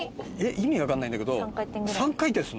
意味分かんないんだけど３回転すんの？